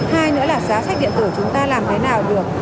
hai nữa là giá sách điện tử chúng ta làm thế nào được